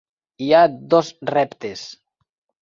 Hi ha dos reptes.